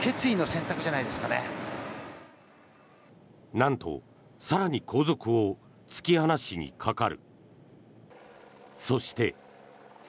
なんと更に後続を突き放しにかかる。